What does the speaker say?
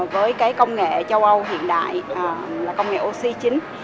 với cái công nghệ châu âu hiện đại là công nghệ oxy chính